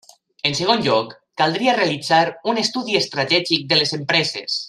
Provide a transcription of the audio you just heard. En segon lloc, caldria realitzar un estudi estratègic de les empreses.